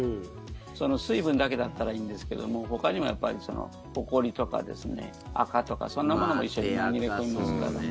水分だけだったらいいんですけどほかにも、ほこりとかあかとかそんなものも一緒に紛れ込みますからね。